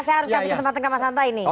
saya harus kasih kesempatan ke mas hanta ini